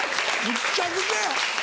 むっちゃくちゃや。